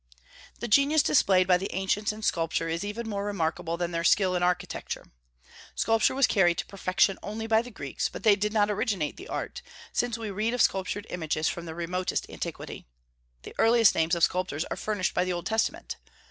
The genius displayed by the ancients in sculpture is even more remarkable than their skill in architecture. Sculpture was carried to perfection only by the Greeks; but they did not originate the art, since we read of sculptured images from the remotest antiquity. The earliest names of sculptors are furnished by the Old Testament.